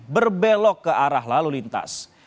berbelok ke arah lalu lintas